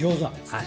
はい。